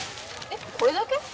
えっこれだけ？